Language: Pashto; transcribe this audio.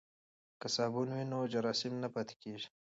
که صابون وي نو جراثیم نه پاتیږي.